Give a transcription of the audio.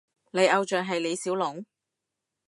你偶像係李小龍？